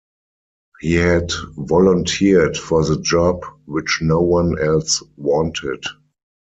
He had volunteered for the job, which no one else wanted.